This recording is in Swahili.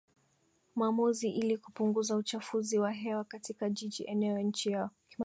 maamuzi ili kupunguza uchafuzi wa hewa katika jiji eneo nchi yao